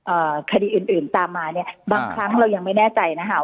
คดีอื่นอื่นตามมาเนี้ยบางครั้งเรายังไม่แน่ใจนะคะ